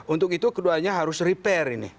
untuk itu keduanya harus repair ini